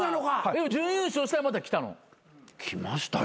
準優勝したらまた来たの？来ましたよ。